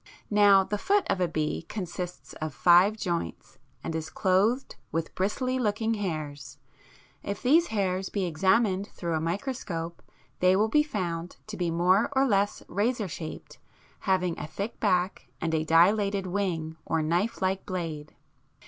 Now the foot of a bee consists of five joints, and is clothed with bristly looking hairs. If these hairs be examined through a microscope they will be found to be more or less razor shaped, having a thick back and a dilated wing or knife like blade (fig.